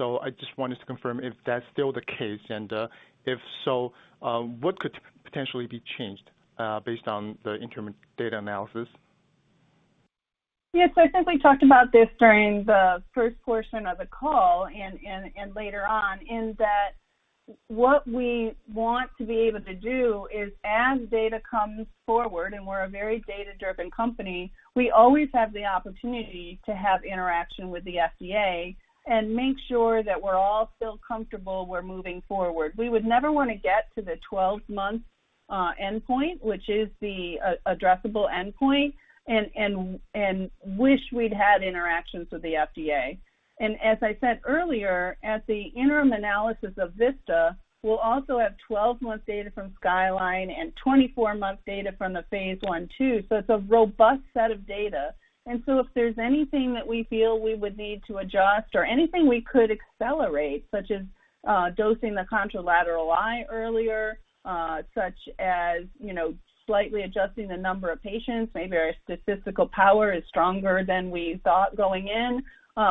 I just wanted to confirm if that's still the case. If so, what could potentially be changed based on the interim data analysis? Yes, I think we talked about this during the first portion of the call and later on, in that what we want to be able to do is as data comes forward, and we're a very data-driven company, we always have the opportunity to have interaction with the FDA and make sure that we're all still comfortable we're moving forward. We would never wanna get to the 12-month endpoint, which is the addressable endpoint, and wish we'd had interactions with the FDA. As I said earlier, at the interim analysis of VISTA, we'll also have 12-month data from SKYLINE and 24-month data from the phase I/II. So it's a robust set of data. If there's anything that we feel we would need to adjust or anything we could accelerate, such as, dosing the contralateral eye earlier, such as, you know, slightly adjusting the number of patients, maybe our statistical power is stronger than we thought going in,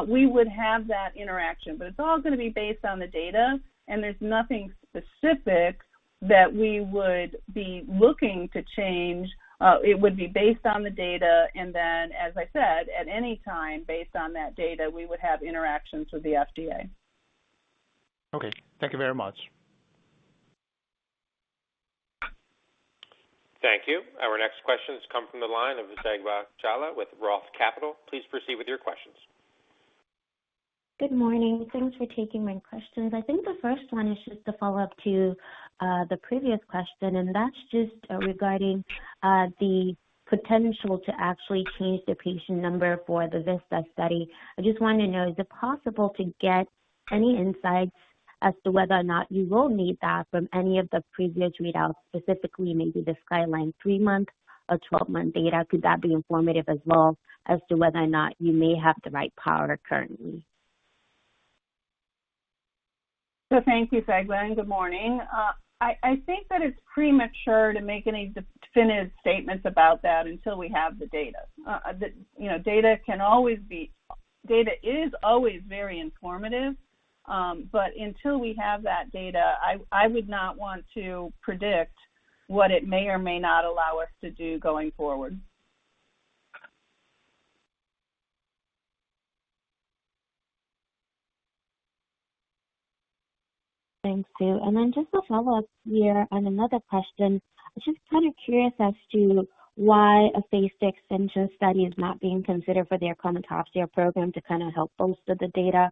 we would have that interaction. It's all gonna be based on the data, and there's nothing specific that we would be looking to change. It would be based on the data, and then, as I said, at any time based on that data, we would have interactions with the FDA. Okay. Thank you very much. Thank you. Our next question has come from the line of Zegbeh Jallah with ROTH Capital. Please proceed with your questions. Good morning. Thanks for taking my questions. I think the first one is just a follow-up to the previous question, and that's just regarding the potential to actually change the patient number for the VISTA study. I just wanted to know, is it possible to get any insights as to whether or not you will need that from any of the previous readouts, specifically maybe the SKYLINE three month or 12-month data? Could that be informative as well as to whether or not you may have the right power currently? Thank you, Zegbeh, and good morning. I think that it's premature to make any definitive statements about that until we have the data. You know, data is always very informative, but until we have that data, I would not want to predict what it may or may not allow us to do going forward. Thanks, Sue. Just a follow-up here on another question. I was just kind of curious as to why a phase extension study is not being considered for the achromatopsia program to kind of help bolster the data,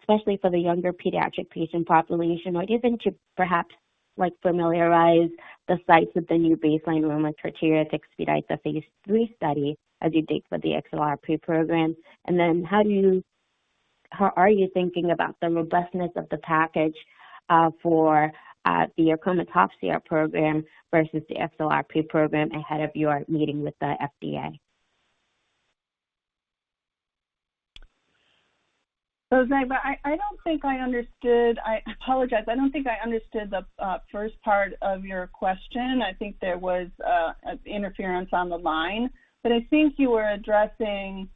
especially for the younger pediatric patient population, or even to perhaps, like, familiarize the sites with the new baseline enrollment criteria to expedite the phase III study as you did for the XLRP program. How are you thinking about the robustness of the package, for, the achromatopsia program versus the XLRP program ahead of your meeting with the FDA? Zegbeh, I don't think I understood. I apologize. I don't think I understood the first part of your question. I think there was an interference on the line, but I think you were addressing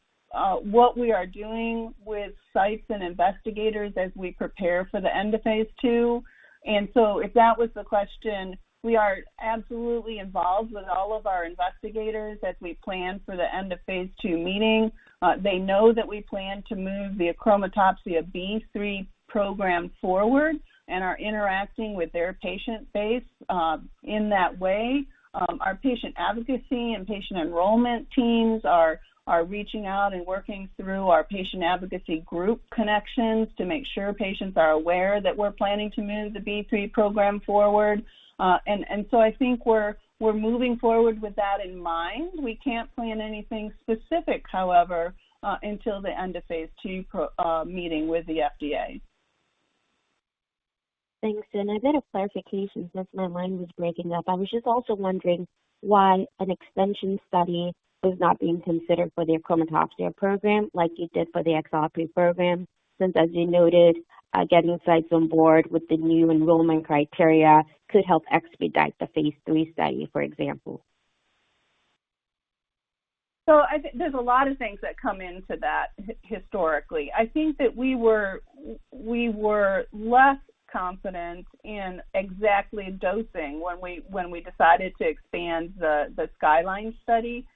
what we are doing with sites and investigators as we prepare for the end of phase II. If that was the question, we are absolutely involved with all of our investigators as we plan for the end of phase II meeting. They know that we plan to move the achromatopsia phase III program forward and are interacting with their patient base in that way. Our patient advocacy and patient enrollment teams are reaching out and working through our patient advocacy group connections to make sure patients are aware that we're planning to move the phase III program forward. I think we're moving forward with that in mind. We can't plan anything specific, however, until the end of phase II meeting with the FDA. Thanks. A bit of clarification since my line was breaking up. I was just also wondering why an extension study was not being considered for the achromatopsia program like you did for the XLRP program, since as you noted, getting sites on board with the new enrollment criteria could help expedite the phase III study, for example. I think there's a lot of things that come into that historically. I think that we were less confident in exactly dosing when we decided to expand the SKYLINE study.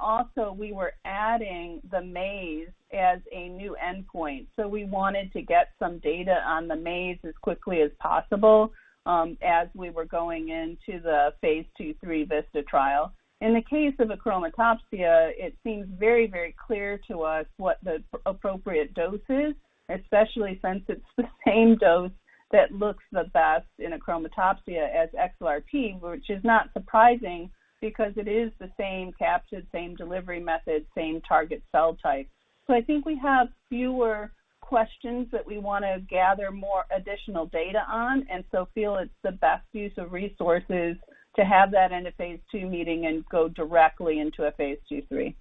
Also we were adding the MAIA as a new endpoint. We wanted to get some data on the MAIA as quickly as possible, as we were going into the phase II/III VISTA trial. In the case of achromatopsia, it seems very, very clear to us what the appropriate dose is, especially since it's the same dose that looks the best in achromatopsia as XLRP, which is not surprising because it is the same capsule, same delivery method, same target cell type. I think we have fewer questions that we wanna gather more additional data on, and so feel it's the best use of resources to have that in a phase II meeting and go directly into a phase II/III.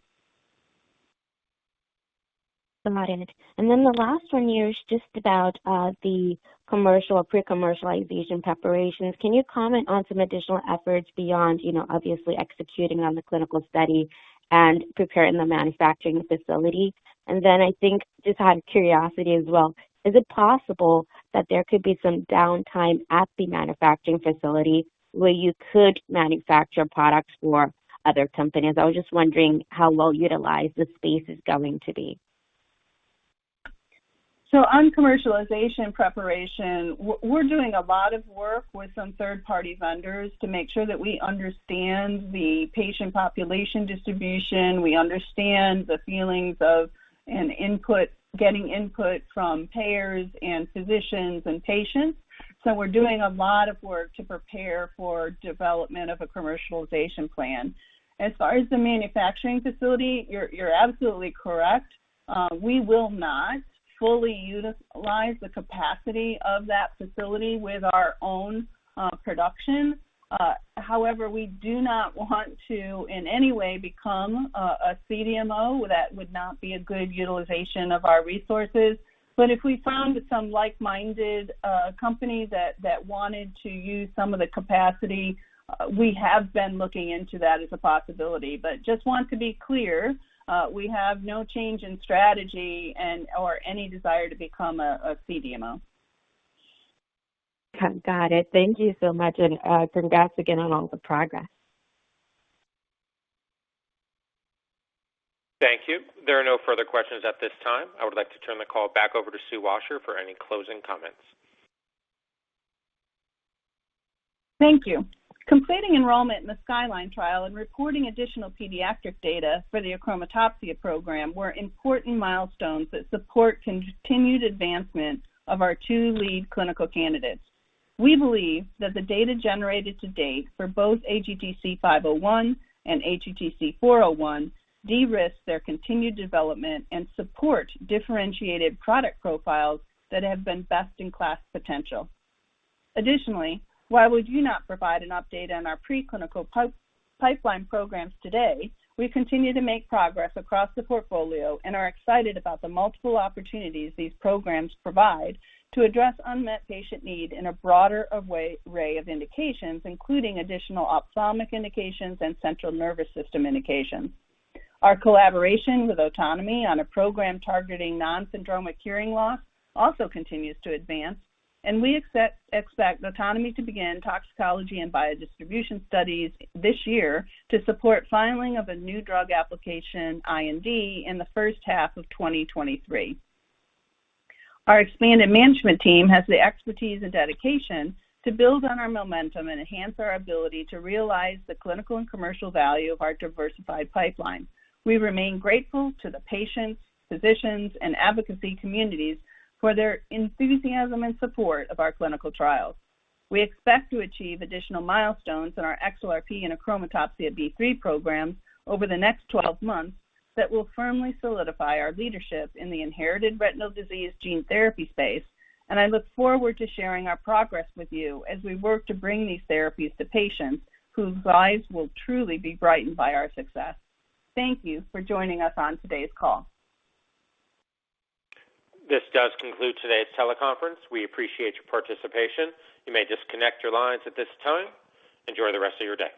Got it. The last one here is just about the commercial or pre-commercialization preparations. Can you comment on some additional efforts beyond, you know, obviously executing on the clinical study and preparing the manufacturing facility? I think just out of curiosity as well, is it possible that there could be some downtime at the manufacturing facility where you could manufacture products for other companies? I was just wondering how well-utilized the space is going to be. On commercialization preparation, we're doing a lot of work with some third-party vendors to make sure that we understand the patient population distribution, getting input from payers and physicians and patients. We're doing a lot of work to prepare for development of a commercialization plan. As far as the manufacturing facility, you're absolutely correct. We will not fully utilize the capacity of that facility with our own production. However, we do not want to, in any way, become a CDMO. That would not be a good utilization of our resources. If we found some like-minded company that wanted to use some of the capacity, we have been looking into that as a possibility. I just want to be clear, we have no change in strategy and/or any desire to become a CDMO. Got it. Thank you so much, and, congrats again on all the progress. Thank you. There are no further questions at this time. I would like to turn the call back over to Sue Washer for any closing comments. Thank you. Completing enrollment in the SKYLINE trial and reporting additional pediatric data for the achromatopsia program were important milestones that support continued advancement of our two lead clinical candidates. We believe that the data generated to date for both AGTC-501 and AGTC-401 de-risk their continued development and support differentiated product profiles that have best-in-class potential. Additionally, while we do not provide an update on our preclinical pipeline programs today, we continue to make progress across the portfolio and are excited about the multiple opportunities these programs provide to address unmet patient need in a broader array of indications, including additional ophthalmic indications and central nervous system indications. Our collaboration with Otonomy on a program targeting non-syndromic hearing loss also continues to advance, and we expect Otonomy to begin toxicology and biodistribution studies this year to support filing of a new drug application IND in the first half of 2023. Our expanded management team has the expertise and dedication to build on our momentum and enhance our ability to realize the clinical and commercial value of our diversified pipeline. We remain grateful to the patients, physicians, and advocacy communities for their enthusiasm and support of our clinical trials. We expect to achieve additional milestones in our XLRP and achromatopsia phase III programs over the next 12 months that will firmly solidify our leadership in the inherited retinal disease gene therapy space, and I look forward to sharing our progress with you as we work to bring these therapies to patients whose lives will truly be brightened by our success. Thank you for joining us on today's call. This does conclude today's teleconference. We appreciate your participation. You may disconnect your lines at this time. Enjoy the rest of your day.